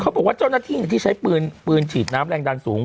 บอกว่าเจ้าหน้าที่ที่ใช้ปืนฉีดน้ำแรงดันสูง